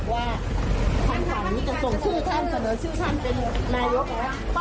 วันดีค่ะ